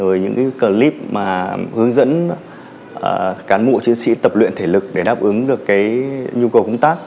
rồi những clip hướng dẫn cán bộ chiến sĩ tập luyện thể lực để đáp ứng được nhu cầu công tác